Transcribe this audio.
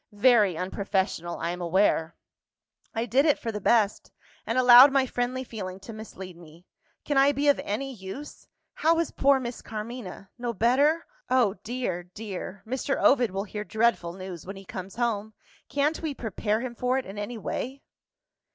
Very unprofessional, I am aware. I did it for the best; and allowed my friendly feeling to mislead me. Can I be of any use? How is poor Miss Carmina? No better? Oh, dear! dear! Mr. Ovid will hear dreadful news, when he comes home. Can't we prepare him for it, in any way?"